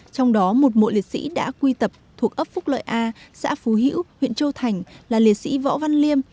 trong đó một mộ liệt sĩ đã quy tập thuộc ấp phúc lợi a xã phú hữu huyện châu thành là liệt sĩ võ văn liêm